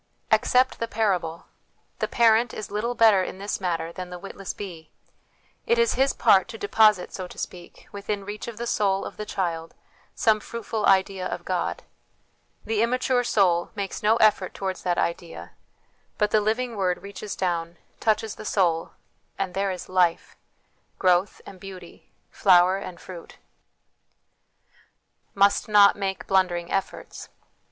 Accept the parable : the parent is little better in this matter than the witless bee ; it is his part to deposit, so to speak, within reach of the soul of the child some fruitful idea of God; the immature soul makes no effort towards that idea, but the living Word reaches down, touches the soul, and there is life\ growth and beauty, flower and fruit. Must not make Blundering Efforts.